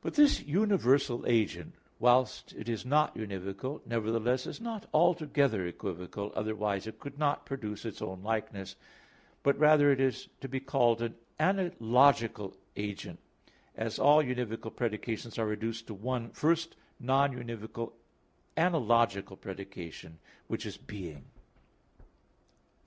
But this universal agent, whilst it is not univocal, nevertheless is not altogether equivocal, otherwise it could not produce its own likeness, but rather it is to be called an analogical agent, as all univocal predications are reduced to one first non univocal analogical predication, which is being.